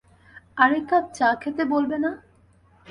আরেক কাপ চা খেতে বলবে না?